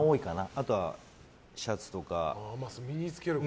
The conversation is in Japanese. あとはシャツとか。